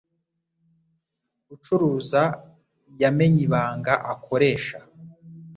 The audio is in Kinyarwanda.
ucuruza yamenye ibanga akoresha